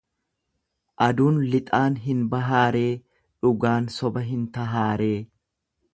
Aduun lixaan hin bahaaree? dhugaan soba hin tahaaree?